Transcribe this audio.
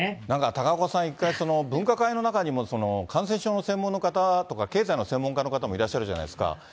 なんか高岡さん、１回、分科会の中にも感染症の専門の方とか、経済の専門家の方もいらっしゃるじゃないですか。